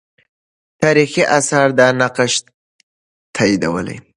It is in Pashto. تاریخي آثار دا نقش تاییدولې.